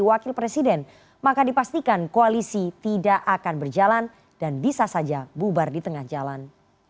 wakil presiden maka dipastikan koalisi tidak akan berjalan dan bisa saja bubar di tengah jalan